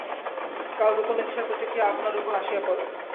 কালে গোপনেচ্ছার প্রতিক্রিয়াও আপনার উপর আসিয়া পড়ে।